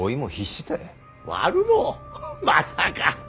まさか。